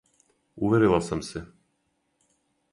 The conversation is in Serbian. Уверила сам се.